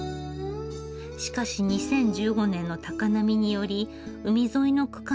しかし２０１５年の高波により海沿いの区間が被災。